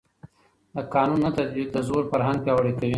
د قانون نه تطبیق د زور فرهنګ پیاوړی کوي